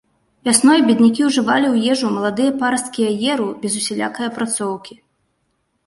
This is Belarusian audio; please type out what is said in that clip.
Вясной беднякі ўжывалі ў ежу маладыя парасткі аеру без усялякай апрацоўкі.